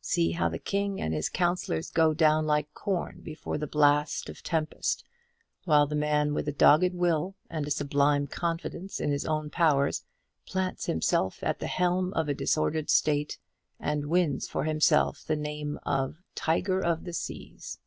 See how the king and his counsellors go down like corn before the blast of the tempest, while the man with a dogged will, and a sublime confidence in his own powers, plants himself at the helm of a disordered state, and wins for himself the name of Tiger of the Seas.